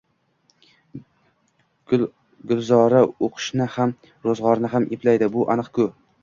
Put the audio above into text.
Gulzora o`qishni ham, ro`zg`orni ham eplaydi, bu aniq-ku